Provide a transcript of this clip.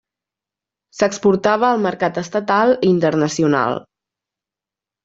S'exportava al mercat estatal i internacional.